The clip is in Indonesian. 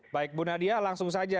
baik bu nadia langsung saja